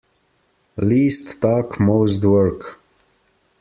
Least talk most work.